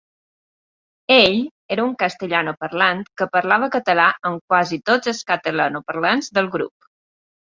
Ell era un castellanoparlant que parlava català amb quasi tots els catalanoparlants del grup.